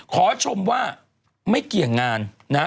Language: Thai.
ขอชมว่าไม่เกี่ยงงานนะฮะ